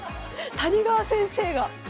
谷川先生が！